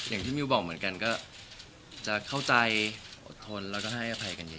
อย่างที่มิวบอกเหมือนกันก็จะเข้าใจอดทนและให้อภัยกันเยอะ